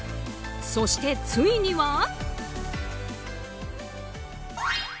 そして、ついには。